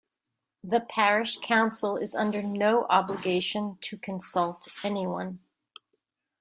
The parish council is under no obligation to consult anyone.